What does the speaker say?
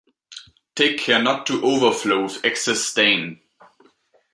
Take care not to overflow with excess stain.